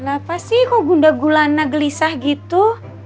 kenapa sih kok gunda gulana gelisah gitu